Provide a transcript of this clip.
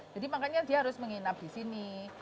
jadi makanya dia harus menginap di sini